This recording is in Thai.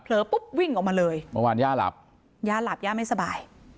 ปุ๊บวิ่งออกมาเลยเมื่อวานย่าหลับย่าหลับย่าไม่สบาย